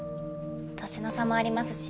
年の差もありますし